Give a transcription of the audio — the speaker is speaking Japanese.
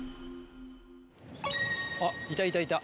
あっいたいたいた。